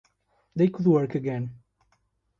They could work again.